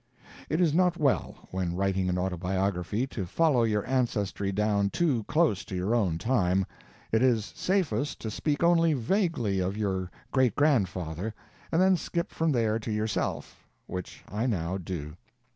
It is not well, when writing an autobiography, to follow your ancestry down too close to your own time it is safest to speak only vaguely of your great grandfather, and then skip from there to yourself, which I now do.